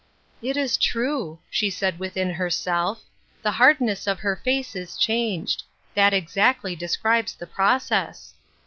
" It is true," she said within herself; "the 'hardness' of her face is changed; that exactly describes the process."